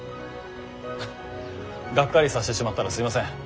がっかりさしてしまったらすいません。